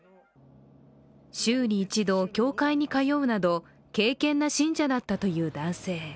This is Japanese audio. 週に１度教会に通うなど、敬けんな信者だったという男性。